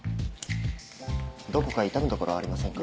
どこか痛むところありませんか？